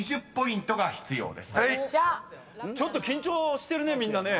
ちょっと緊張してるねみんなね。